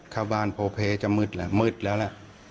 เข้าบ้านโพเพจะมืดแหละมืดแล้วล่ะ